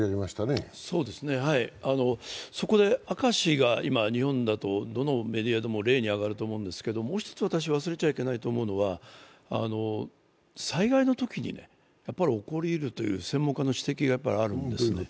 明石が今、日本だとのメディアの例に挙がると思うんですけど、もう一つ忘れちゃいけないのは、災害のときに起こりうるという専門家の指摘があるんですね。